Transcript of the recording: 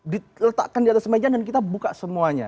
diletakkan di atas meja dan kita buka semuanya